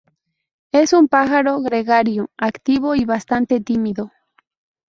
Es un pájaro gregario, activo y bastante tímido.